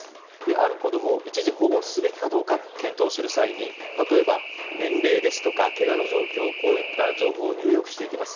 ある子供を、一時保護すべきか検討する際に例えば年齢ですとかけがの状況、こういった情報を入力していきます。